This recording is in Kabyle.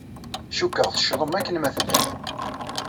Cikkeɣ teccḍem akken ma tellam.